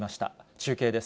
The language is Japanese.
中継です。